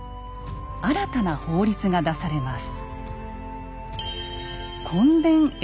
新たな法律が出されます。